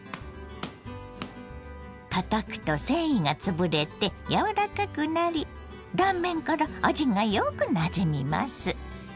たたくと繊維が潰れて柔らかくなり断面から味がよくなじみます。